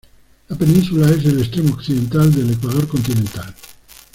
La península es el extremo occidental del Ecuador continental.